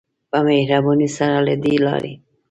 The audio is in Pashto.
په مهربانی سره له دی لاری.